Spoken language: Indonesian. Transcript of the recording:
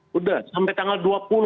sudah sampai tanggal dua puluh